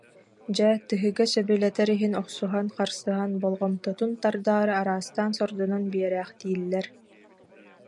Дьэ, тыһыга сөбүлэтэр иһин охсуһан, харсыһан, болҕомтотун тардаары араастаан сордонон биэрээхтииллэр